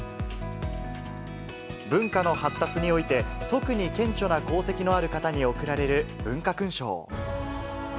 文化の発達において、特に顕著な功績のある方に贈られる文化勲章。